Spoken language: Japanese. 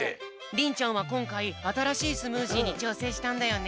りんちゃんはこんかいあたらしいスムージーにちょうせんしたんだよね。